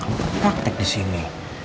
kamu praktek disini